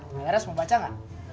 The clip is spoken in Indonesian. laras mau baca gak